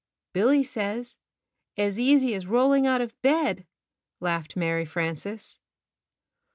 "Billy says, 'as easy as rolling out of bed/ " laughed Mary Frances.